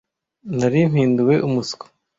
Nari mpinduwe umuswa.